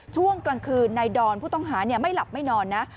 ช่วงกลางคืนนายดอนผู้ต้องหาไม่หลับไม่นอนนะ